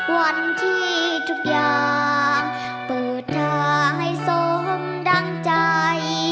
วันที่ทุกอย่างเปิดทางให้สมดังใจ